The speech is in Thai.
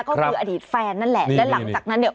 ก็คืออดีตแฟนนั่นแหละและหลังจากนั้นเนี่ย